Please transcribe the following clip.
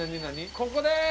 ここです！